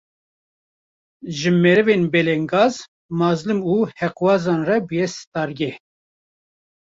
Ji merivên belengaz, mezlum û heqxwazan re bûye stargeh